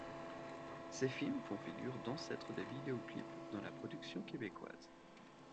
Ces films font figures d'ancêtres des vidéoclips dans la production québécoise.